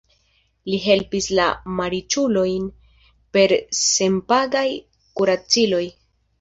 Li helpis la malriĉulojn per senpagaj kuraciloj.